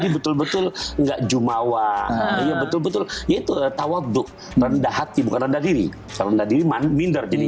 betul betul enggak jumawa betul betul itu tawaddu rendah hati bukan rendah diri